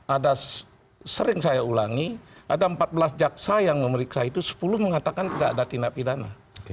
ada sering saya ulangi ada empat belas jaksa yang memeriksa itu sepuluh mengatakan tidak ada tindak pidana